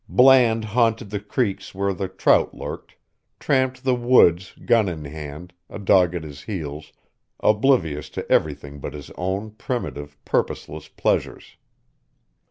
Bland haunted the creeks where the trout lurked, tramped the woods gun in hand, a dog at his heels, oblivious to everything but his own primitive, purposeless pleasures.